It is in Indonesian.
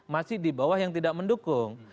masih di bawah yang tidak mendukung